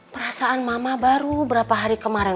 perasaan mama baru berapa hari kemarin